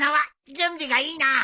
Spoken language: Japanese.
準備がいいな。